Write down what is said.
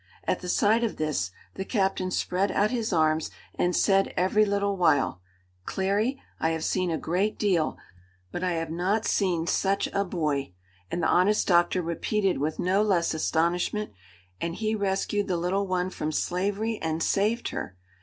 At the sight of this, the captain spread out his arms and said every little while: "Clary, I have seen a great deal but I have not seen such a boy," and the honest doctor repeated with no less astonishment: "And he rescued the little one from slavery and saved her!"